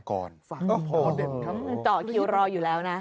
พอเด็ดเช่นกันโอ้โฮโอ้โฮมันต่อคิวรออยู่แล้วนะ